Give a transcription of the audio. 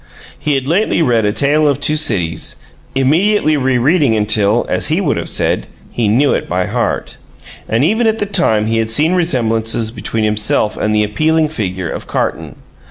He had lately read A Tale of Two Cities, immediately re reading until, as he would have said, he "knew it by heart"; and even at the time he had seen resemblances between himself and the appealing figure of Carton.